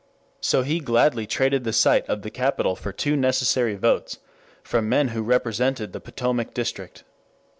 So he gladly traded the site of the capitol for two necessary votes from men who represented the Potomac district.